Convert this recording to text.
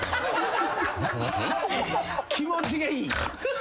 気持ちがいい。